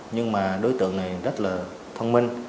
nhưng mà đối tượng này rất là phân minh